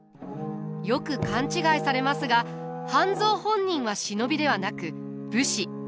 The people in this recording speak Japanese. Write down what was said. よく勘違いされますが半蔵本人は忍びではなく武士。